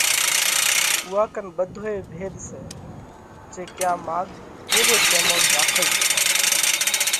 اُوئا ڪنَ ٻڌوئي ڀيۮ سئہ، جي ڪيا ماڳ ڪيو شيمونَ راکل سئہ